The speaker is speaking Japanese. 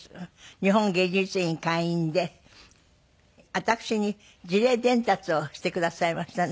日本芸術院会員で私に辞令伝達をしてくださいましたね。